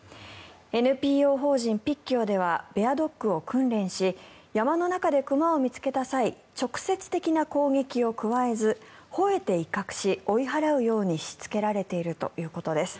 ＮＰＯ法人、ピッキオではベアドッグを訓練し山の中で熊を見つけた際直接的な攻撃を加えずほえて威嚇し追い払うようにしつけられているということです。